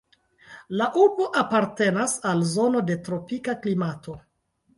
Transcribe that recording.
La urbo apartenas al zono de tropika klimato.